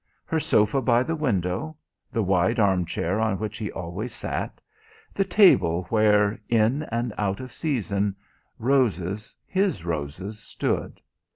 Her sofa by the window, the wide armchair on which he always sat, the table where, in and out of season, roses, his roses, stood.